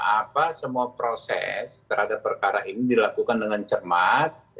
apa semua proses terhadap perkara ini dilakukan dengan cermat